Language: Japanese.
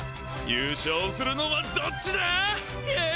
優勝するのはどっちだッ！？